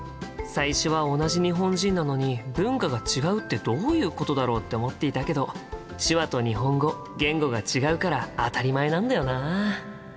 最初は同じ日本人なのに文化が違うってどういうことだろうって思っていたけど手話と日本語言語が違うから当たり前なんだよな。